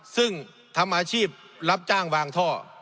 ซึ่งทำอาชีพรับจ้างวางท่อ